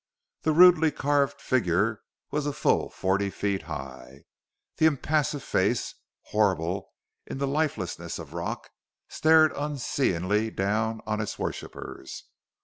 The rudely carved figure was a full forty feet high. The impassive face, horrible in the lifelessness of rock, stared unseeingly down on its worshippers.